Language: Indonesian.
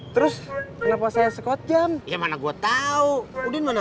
terus kenapa saya sekot jam ya mana gue tahu udin mana